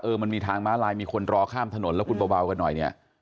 มันมีทางม้าลายมีคนรอข้ามถนนแล้วคุณเบากันหน่อยเนี่ย